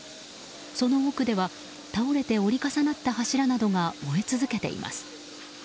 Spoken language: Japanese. その奥では、倒れて折り重なった柱などが燃え続けています。